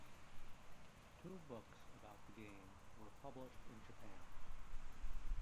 Two books about the game were published in Japan.